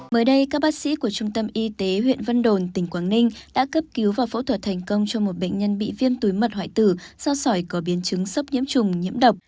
mới đây các bác sĩ của trung tâm y tế huyện vân đồn tỉnh quảng ninh đã cấp cứu và phẫu thuật thành công cho một bệnh nhân bị viêm túi mật hoại tử do sỏi có biến chứng sốc nhiễm trùng nhiễm độc